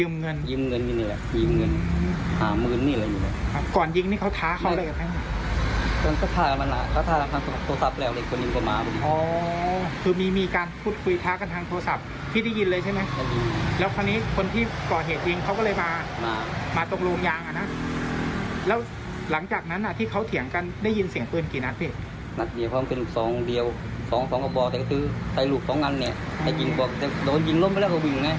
มาตรงโรงยางนะแล้วหลังจากนั้นที่เขาเถียงกันเด้ยยินเสียงเป็นดังเร่น